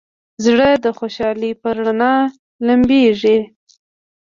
زړه د خوشحالۍ په رڼا لمبېږي.